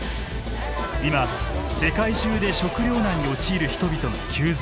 今世界中で食料難に陥る人々が急増。